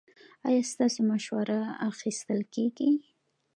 ایا ستاسو مشوره اخیستل کیږي؟